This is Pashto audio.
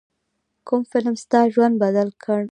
کوم فلم ستا ژوند بدل کړ.